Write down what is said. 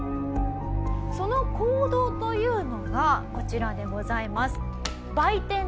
その行動というのがこちらでございます。